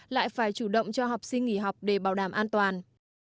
lại phải chủ động cho học sinh nghỉ học để bảo đảm an toàn